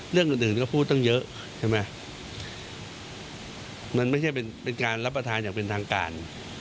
เรื่องอื่นอื่นก็พูดตั้งเยอะใช่ไหมมันไม่ใช่เป็นการรับประทานอย่างเป็นทางการ